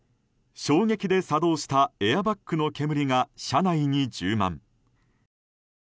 衝撃で作動したエアバッグの煙が車内に充満。